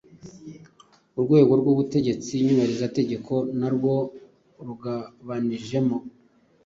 Urwego rw’Ubutegetsi Nyubahirizategeko na rwo rugabanyijemo